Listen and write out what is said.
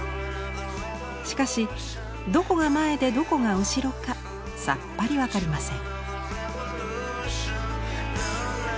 しかしどこが前でどこが後ろかさっぱり分かりません。